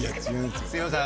すみません